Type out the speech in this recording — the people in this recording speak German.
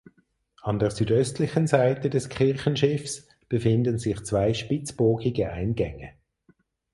An der südöstlichen Seite des Kirchenschiffs befinden sich zwei spitzbogige Eingänge.